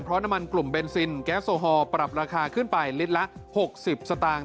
เพราะน้ำมันกลุ่มเบนซินแก๊สโอฮอล์ปรับราคาขึ้นไปลิตรละ๖๐สตางค์